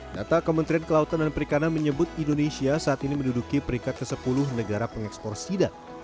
data kementerian kelautan dan perikanan menyebut indonesia saat ini menduduki peringkat ke sepuluh negara pengekspor sidat